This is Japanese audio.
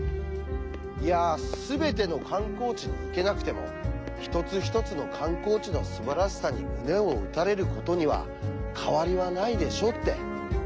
いやすべての観光地に行けなくても一つ一つの観光地のすばらしさに胸を打たれることには変わりはないでしょうって。